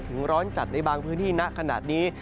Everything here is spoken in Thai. ร้อนจัดในบางพื้นที่ณขนาดนี้